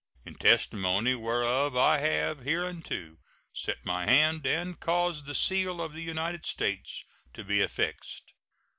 In testimony whereof I have hereunto set my hand and caused the seal of the United States to be affixed.